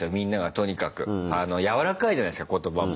やわらかいじゃないですか言葉も。